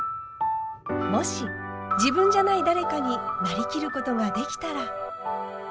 もし自分じゃない誰かになりきることができたら。